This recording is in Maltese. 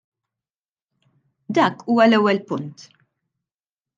Dak huwa l-ewwel punt.